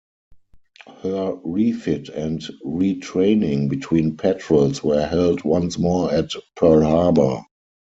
Her refit and retraining between patrols were held once more at Pearl Harbor.